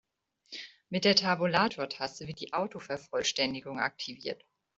Mit der Tabulatortaste wird die Autovervollständigung aktiviert.